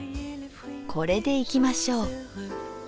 これでいきましょう。